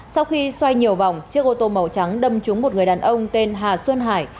sau khi xoay nhiều vòng chiếc ô tô màu trắng đâm trúng một người đàn ông tên hà xuân hải